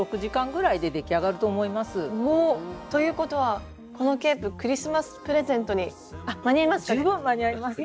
おお！ということはこのケープクリスマスプレゼントに間に合いますかね？